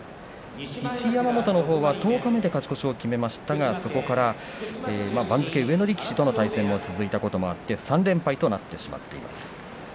一山本は、十日目で勝ち越しを決めましたがそこから番付上の力士との対戦が続いたこともあって３連敗となっています。